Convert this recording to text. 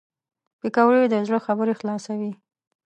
پکورې د زړه خبرې خلاصوي